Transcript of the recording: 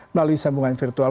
melalui sambungan virtual